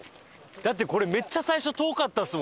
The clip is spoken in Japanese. だってこれめっちゃ最初遠かったですもんね。